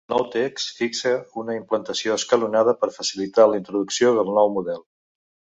El nou text fixa una implantació escalonada per facilitar la introducció del nou model.